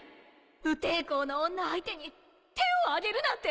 無抵抗の女相手に手を上げるなんて！